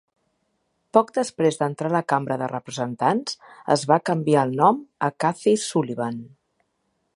Poc després d'entrar a la Cambra de representants es va canviar el nom a Kathy Sullivan.